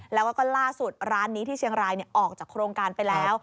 แล้วก็ล่าสุดร้านนี้ที่เชียงรายออกจากโครงการไปแล้ว